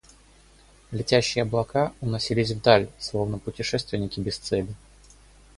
Летящие облака уносились вдаль, словно путешественники без цели.